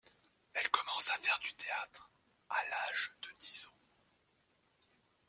Elle commence à faire du théâtre à l'âge de dix ans.